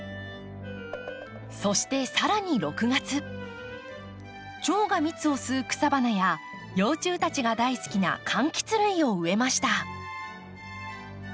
そして更に６月チョウが蜜を吸う草花や幼虫たちが大好きなかんきつ類を植えました。